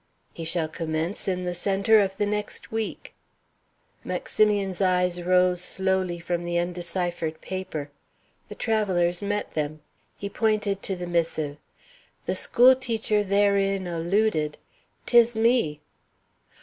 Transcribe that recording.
"He shall commence in the centre of the next week." Maximian's eyes rose slowly from the undeciphered paper. The traveller's met them. He pointed to the missive. "The schoolmaster therein alluded 'tis me."